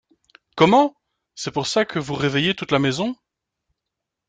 Comment ! c’est pour ça que vous réveillez toute la maison !